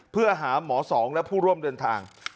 เพื่อหาหมอสองและผู้ร่วมเดินทาง